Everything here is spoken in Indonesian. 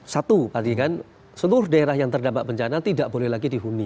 satu tadi kan seluruh daerah yang terdampak bencana tidak boleh lagi dihuni